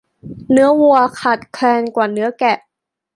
เนื้อวัวขาดแคลนกว่าเนื้อแกะ